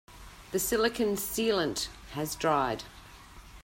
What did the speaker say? The silicon sealant has dried.